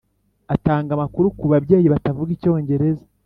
atanga amakuru ku babyeyi batavuga Icyongereza .